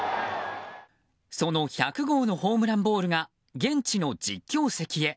その１００号のホームランボールが現地の実況席へ。